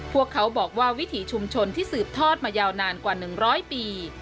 พวกเขาบอกว่าวิถีชุมชนที่สืบทอดมายาวนานกว่า๑๐๐ปี